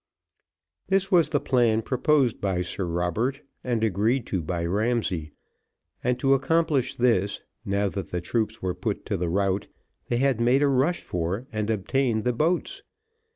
This was the plan proposed by Sir Robert, and agreed to by Ramsay, and to accomplish this, now that the troops were put to the rout, they had made a rush for, and obtained the boats.